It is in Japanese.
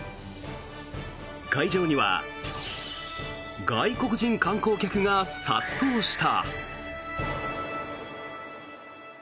会場には外国人観光客が殺到した。